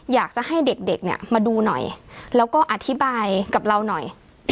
อยากจะให้เด็กเนี่ยมาดูหน่อยแล้วก็อธิบายกับเราหน่อย